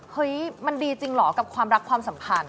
เฮ้ยมันดีจริงเหรอกับความรักความสัมพันธ์